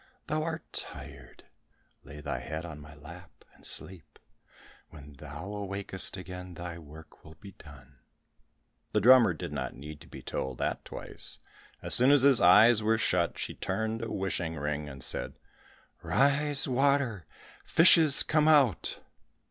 Thou art tired, lay thy head in my lap, and sleep. When thou awakest again, thy work will be done." The drummer did not need to be told that twice. As soon as his eyes were shut, she turned a wishing ring and said, "Rise, water. Fishes, come out."